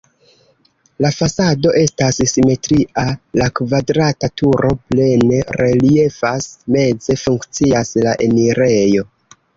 La fasado estas simetria, la kvadrata turo plene reliefas, meze funkcias la enirejo.